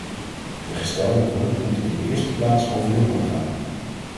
De gestelde doelen moeten in de eerste plaats over jongeren gaan.